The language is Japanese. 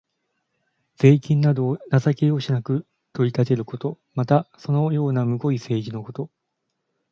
税金などを情け容赦なく取り立てること。また、そのようなむごい政治のこと。